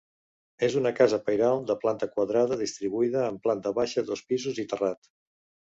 És una casa pairal de planta quadrada distribuïda en planta baixa, dos pisos i terrat.